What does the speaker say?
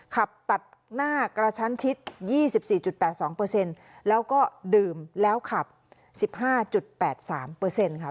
ขับตัดหน้ากระชั้นทิศยี่สิบสี่จุดแปดสองเปอร์เซ็นต์แล้วก็ดื่มแล้วขับสิบห้าจุดแปดสามเปอร์เซ็นต์ค่ะ